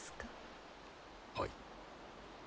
はい。